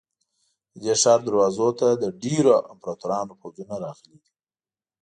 د دې ښار دروازو ته د ډېرو امپراتورانو پوځونه راغلي دي.